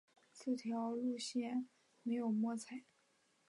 此条路线没有摸彩